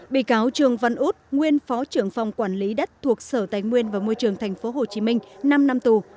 bị cáo trường văn út nguyên phó trưởng phòng quản lý đất thuộc sở tài nguyên và môi trường tp hcm năm năm tù